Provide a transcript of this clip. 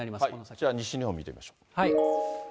じゃあ、西日本見てみましょう。